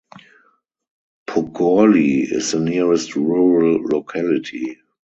Pogorely is the nearest rural locality.